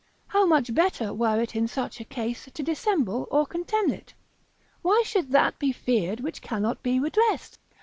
How much better were it in such a case to dissemble or contemn it? why should that be feared which cannot be redressed?